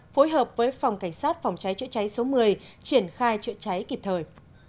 phối hợp với phòng cảnh sát phòng cháy chữa cháy số một mươi triển khai chữa cháy kịp thời